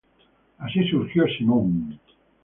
Así surgió Simon.